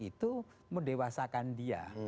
itu mendewasakan dia